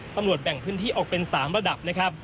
แบ่งพื้นที่ออกเป็น๓ระดับนะครับ